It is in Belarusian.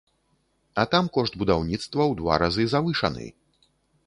А там кошт будаўніцтва ў два разы завышаны!